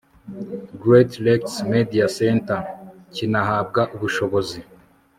great lakes media center) kinahabwa ubushobozi